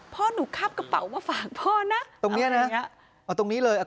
พ่อหนูคาบกระเป๋ามาฝากพ่อนะตรงเนี้ยนะเอาตรงนี้เลยอ่ะ